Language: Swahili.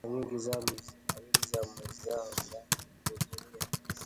Mara nyingi zamu zao za kuhudhuria